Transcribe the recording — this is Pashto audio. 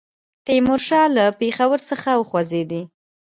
تیمورشاه له پېښور څخه وخوځېدی.